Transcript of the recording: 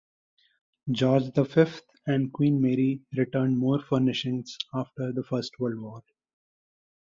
George the Fifth and Queen Mary returned more furnishings after the First World War.